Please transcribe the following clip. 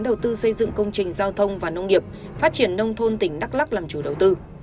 đầu tư xây dựng công trình giao thông và nông nghiệp phát triển nông thôn tỉnh đắk lắc làm chủ đầu tư